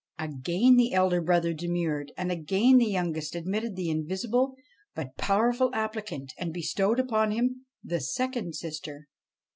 ' Again the elder brother demurred, and again the youngest admitted the invisible but powerful applicant, and bestowed upon him the second sister.